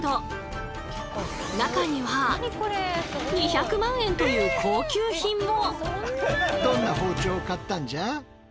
中には２００万円という高級品も！